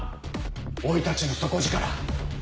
おいたちの底力